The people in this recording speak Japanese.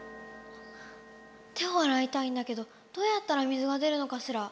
手をあらいたいんだけどどうやったら水が出るのかしら。